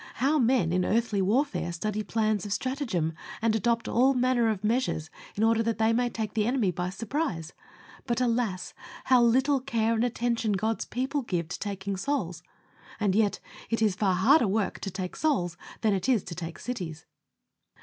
How men in earthly warfare study plans of stratagem, and adopt all manner of measures in order that they may take the enemy by surprise! But, alas! how little care and attention God's people give to taking souls; and yet it is far harder work to take souls than it is to take cities.